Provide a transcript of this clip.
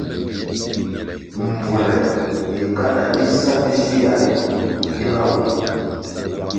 Mbvule yi kanda bisa bi shywia ritu diga wu.